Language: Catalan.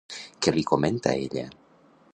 Què li comenta ella?